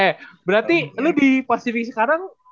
eh berarti lu di pasifik sekarang